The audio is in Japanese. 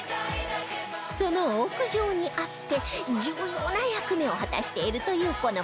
その屋上にあって重要な役目を果たしているというこのパイプ